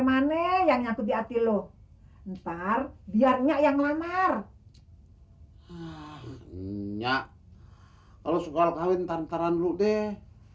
mana yang nyatu di hati lu ntar biar nya yang ngelamar nyak kalau suka kahwin taran lu deh